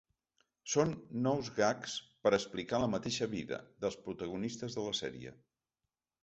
Són nous gags ‘per a explicar la mateixa vida’ dels protagonistes de la sèrie.